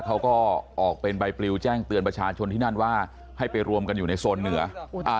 เขาก็ออกเป็นใบปลิวแจ้งเตือนประชาชนที่นั่นว่าให้ไปรวมกันอยู่ในโซนเหนืออ่า